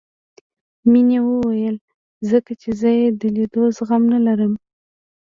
مينې وويل ځکه چې زه يې د ليدو زغم نه لرم.